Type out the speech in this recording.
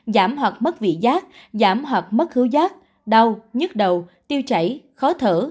giảm hoặc mất vị giác giảm hoặc mất hữu giác đau nhức đầu tiêu chảy khó thở